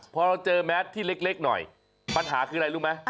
พอเราเจอแมสที่เล็กหน่อยปัญหาคืออะไรรู้ไหม